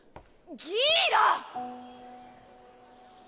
ギーラ！